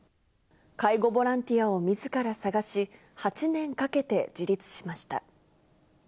介護ボランティアをみずから探し、８年かけて自立しました。